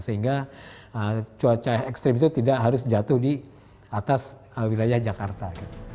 sehingga cuaca ekstrim itu tidak harus jatuh di atas wilayah jakarta